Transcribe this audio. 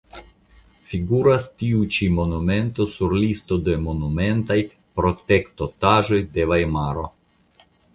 Figuras tiu ĉi monumento sur listo de monumentaj protektotaĵoj de Vajmaro.